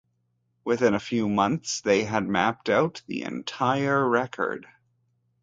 Within a few months, they had mapped out the entire record.